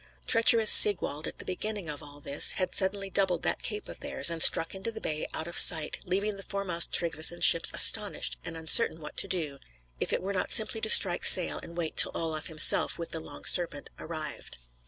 Treacherous Sigwald, at the beginning of all this, had suddenly doubled that cape of theirs, and struck into the bay out of sight, leaving the foremost Tryggveson ships astonished, and uncertain what to do, if it were not simply to strike sail and wait till Olaf himself with the Long Serpent arrived.